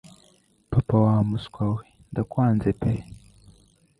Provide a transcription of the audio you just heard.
Papa wa muswa we, ndakwanze pe.